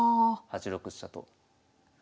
８六飛車と。